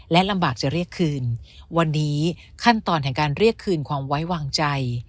และลำบากจะเรียกคืนวันนี้ขั้นตอนแห่งการเรียกคืนความไว้วางใจ